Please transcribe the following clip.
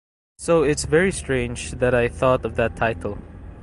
So it's very strange that I thought of that title.